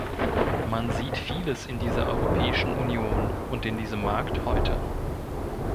Man sieht vieles in dieser Europäischen Union und in diesem Markt heute.